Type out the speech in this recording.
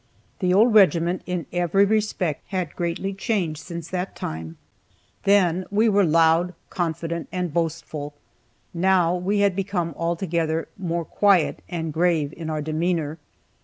The old regiment, in every respect, had greatly changed since that time. Then we were loud, confident, and boastful. Now we had become altogether more quiet and grave in our demeanor.